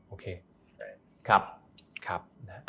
โอเคครับ